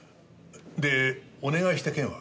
でお願いした件は？